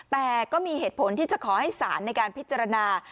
แต่ก็มีเหตุผลที่จะขอให้ศาลในการพิจารณา